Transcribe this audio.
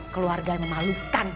keluarga yang memalukan